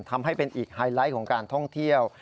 ทำให้เป็นอีกไฮไลท์ของการท่องเที่ยว